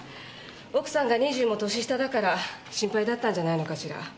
奥さんが２０も年下だから心配だったんじゃないのかしら。